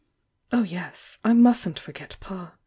Oh, yes, I mustn't forget Pa